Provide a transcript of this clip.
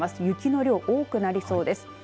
雪の量、多くなりそうです。